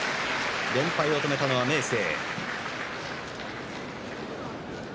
連敗を止めたのは明生。